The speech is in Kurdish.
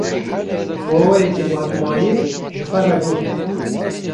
Bi awayekî matmayî ji xwe re got: